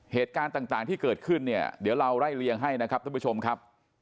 เหตุการณ์ต่างที่เกิดขึ้นเนี่ยเดี๋ยวเราไล่เลี่ยงให้นะครับท่านผู้ชมครับ